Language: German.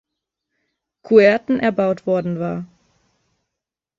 Kuerten erbaut worden war.